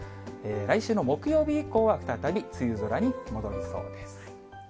来週の木曜日以降は、再び梅雨空に戻りそうです。